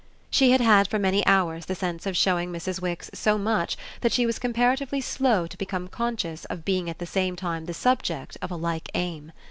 She had had for many hours the sense of showing Mrs. Wix so much that she was comparatively slow to become conscious of being at the same time the subject of a like aim.